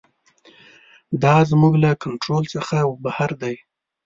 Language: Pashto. دا زموږ له کنټرول څخه بهر دی.